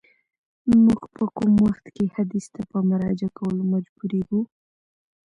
موږ په کوم وخت کي حدیث ته په مراجعه کولو مجبوریږو؟